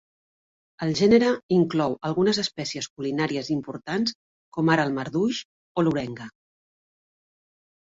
El gènere inclou algunes espècies culinàries importants com ara el marduix o l'orenga.